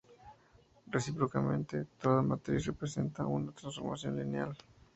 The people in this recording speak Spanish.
Recíprocamente, toda matriz representa una transformación lineal.